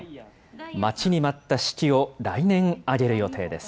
待ちに待った式を来年、挙げる予定です。